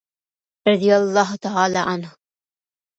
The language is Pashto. رضي الله تعالی عنه.